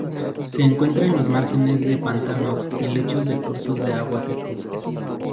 Se encuentra en los márgenes de pantanos y lechos de cursos de agua secos.